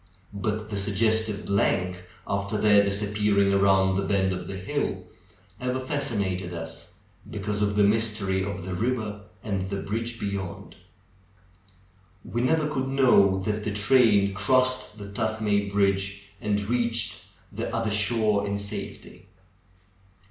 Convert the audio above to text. But the suggestive blank, after their disappearing around the bend of the hill, ever fascinated us, because of the mystery of the river and the bridge beyond. We never could know that the train crossed the Tuthmay bridge, and reached the other shore in safety.